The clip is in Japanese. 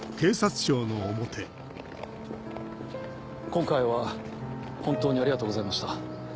今回は本当にありがとうございました。